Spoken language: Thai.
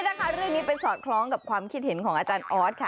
นะคะเรื่องนี้ไปสอดคล้องกับความคิดเห็นของอาจารย์ออสค่ะ